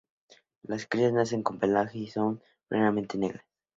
Las crías nacen con pelaje y son completamente negras.